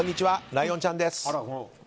ライオンちゃんです。